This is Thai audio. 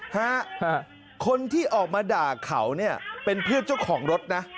ฮะคนที่ออกมาด่าเขาเนี่ยเป็นเพื่อนเจ้าของรถนะ